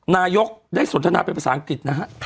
นายกได้สนทนาเป็นภาษาอังกฤษนะฮะ